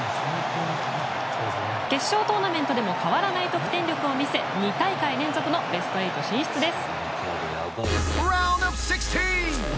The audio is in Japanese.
決勝トーナメントでも変わらない得点力を見せ２大会連続のベスト８進出です。